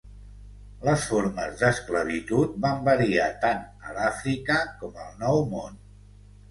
Les formes d'esclavitud van variar tant a l'Àfrica com al Nou Món.